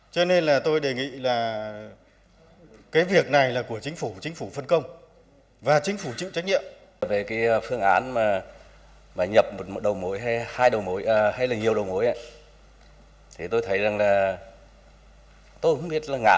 cho nên là tôi đề nghị là cái việc này là của chính phủ chính phủ phân công